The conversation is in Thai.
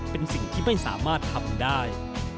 เป็นสิ่งที่ไม่สามารถทำได้